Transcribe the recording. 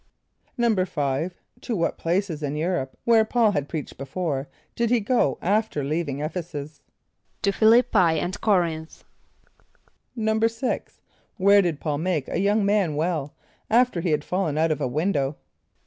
= =5.= To what places in Europe where P[a:]ul had preached before, did he go after leaving [)E]ph´e s[)u]s? =To Ph[)i] l[)i]p´p[=i] and C[)o]r´inth.= =6.= Where did P[a:]ul make a young man well, after he had fallen out of a window?